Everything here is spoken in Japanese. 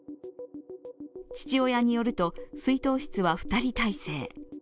父親によると、出納室は２人体制。